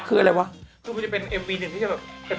คืออะไรเว้ย